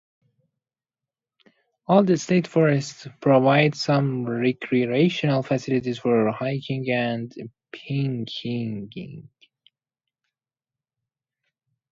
All the state forests provide some recreational facilities for hiking and picnicking.